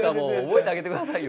覚えてあげてくださいよ。